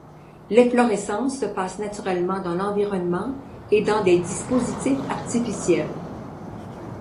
L'efflorescence se passe naturellement dans l'environnement, et dans des dispositifs artificiels.